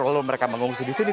kalau mereka mengungsi di sini